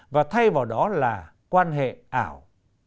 và thay vào đó là quan hệ ảo